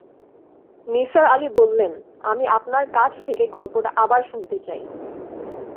নিসার আলি বললেন, আমি আপনার কাছ থেকে গল্পটা আবার শুনতে চাই।